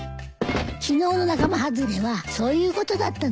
昨日の仲間外れはそういうことだったのね。